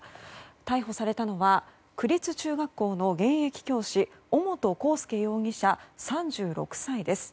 逮捕されたのは区立中学校の現役教師尾本幸祐容疑者、３６歳です。